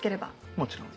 もちろん。